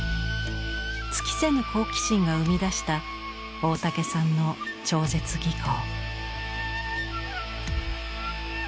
尽きせぬ好奇心が生み出した大竹さんの超絶技巧。